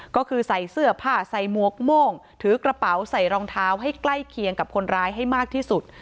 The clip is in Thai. ก็คือใส่เสื้อผ้าใส่หมวกโม่งถือกระเป๋าใส่รองเท้าให้ใกล้เคียงกับคนร้ายให้มากที่สุด